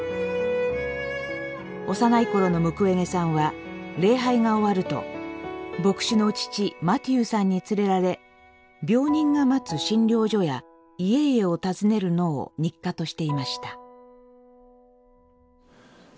幼い頃のムクウェゲさんは礼拝が終わると牧師の父マティユさんに連れられ病人が待つ診療所や家々を訪ねるのを日課としていました。